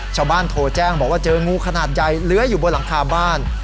ชาวบ้านโทรแจ้งบอกว่าเจองูขนาดใหญ่เลื้อยอยู่บนหลังคาบ้าน